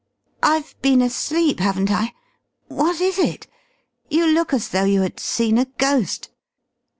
I've been asleep, haven't I? What is it? You look as though you had seen a ghost!"